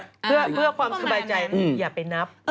เพื่อความสบายใจอย่าไปนับ